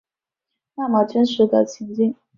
那么真实的情景